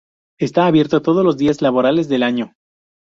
Está abierto todos los días laborables del año.